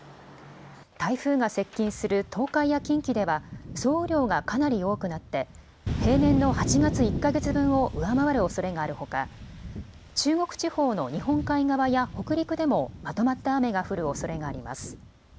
台風が接近する東海や近畿では総雨量がかなり多くなって平年の８月１か月分を上回るおそれがあるほか、中国地方の日本海側や北陸でもまとまった雨が降るおそれがあります。